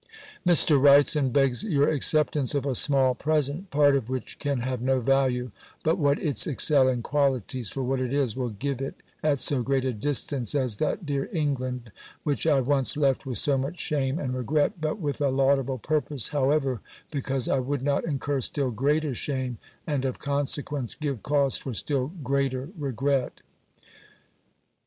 "Mr. Wrightson begs your acceptance of a small present, part of which can have no value, but what its excelling qualities, for what it is, will give it at so great a distance as that dear England, which I once left with so much shame and regret; but with a laudable purpose, however, because I would not incur still greater shame, and of consequence give cause for still greater regret!"